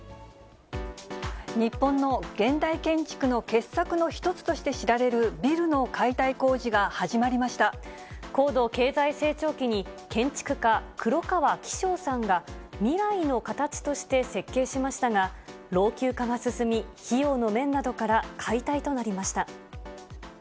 日本の現代建築の傑作の一つとして知られるビルの解体工事が高度経済成長期に建築家、黒川紀章さんが、未来の形として設計しましたが、老朽化が進み、費用の面などから解体となりました。